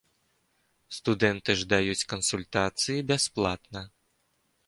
Студэнты ж даюць кансультацыі бясплатна.